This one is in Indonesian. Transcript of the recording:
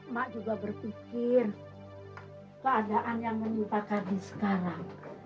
emak juga berpikir keadaan yang menyupa kardi sekarang